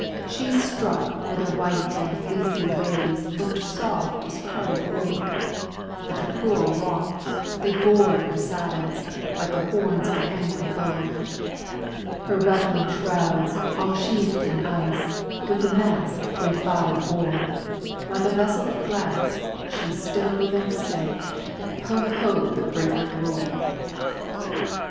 She struck where the white and fleecy waves Look'd soft as carded wool, But the cruel rocks, they gored her sides Like the horns of an angry bull. Her rattling shrouds, all sheathed in ice, With the masts went by the board; Like a vessel of glass, she stove and sank, Ho! ho! the breakers roared!